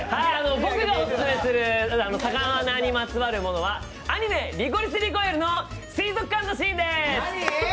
ぼくがおすすめする魚にまつわるものはアニメ「リコリス・リコイル」の水族館のシーンです。